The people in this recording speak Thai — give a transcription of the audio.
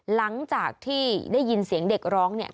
หลังจากที่ได้ยินเสียงเด็กร้องเนี่ย